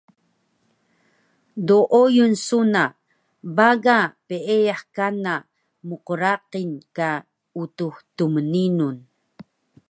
Dooyun su na baga peeyah kana mqraqil ka Utux Tmninun